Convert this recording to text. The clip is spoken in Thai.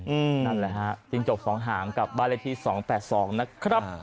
อืมนั่นแหละฮะจิ้งจกสองหางกับบ้านเลขที่๒๘๒นะครับ